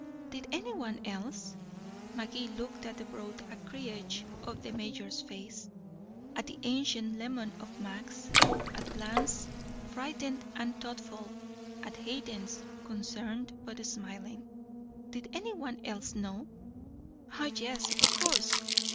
Did any one else? Magee looked at the broad acreage of the mayor's face, at the ancient lemon of Max's, at Bland's, frightened and thoughtful, at Hayden's, concerned but smiling. Did any one else know? Ah, yes, of course.